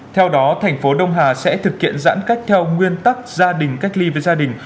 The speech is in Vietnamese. theo đó thành phố đông hà sẽ thực hiện giãn cách theo nguyên tắc gia đình cách ly với gia đình